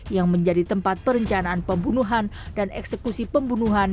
yang menjadi tempat perencanaan pembunuhan dan eksekusi pembunuhan